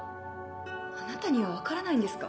あなたには分からないんですか。